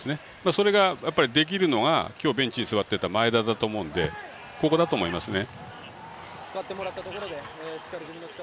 それができるのが今日、ベンチに座っていた前田だと思うのでここだと思いますね。